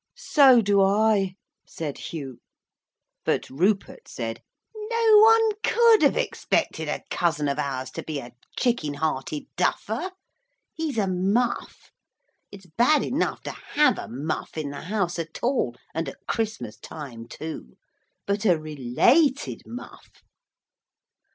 'So do I,' said Hugh. But Rupert said, 'No one could have expected a cousin of ours to be a chicken hearted duffer. He's a muff. It's bad enough to have a muff in the house at all, and at Christmas time, too. But a related muff!'